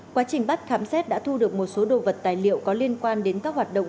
quá trình bắt khám xét đã thu được một số đồ vật tài liệu có liên quan đến các hoạt động